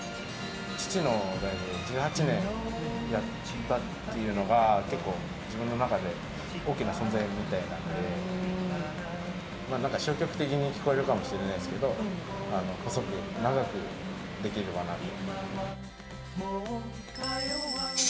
父が１８年やったっていうのが、結構自分の中で大きな存在みたいなんで、なんか消極的に聞こえるかもしれないですけど、細く長くできればなと。